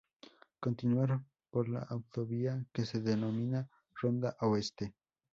Continuar por la autovía que se denomina Ronda Oeste.